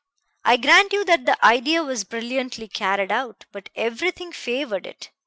I grant you that the idea was brilliantly carried out; but everything favored it.